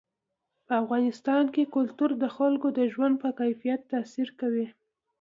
په افغانستان کې کلتور د خلکو د ژوند په کیفیت تاثیر کوي.